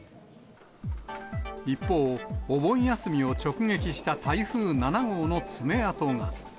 一方、お盆休みを直撃した台風７号の爪痕が。